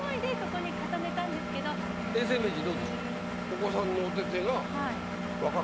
お子さんのおててが若楓？